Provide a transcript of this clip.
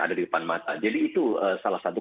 ada di depan mata jadi itu salah satu